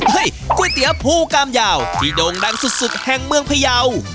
เฮ้ยก๋วยเตี๋ยวผู้กำยาวที่โด่งดังสุดสุดแห่งเมืองพยาว